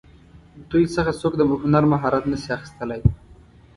دوی څخه څوک د هنر مهارت نشي اخیستلی.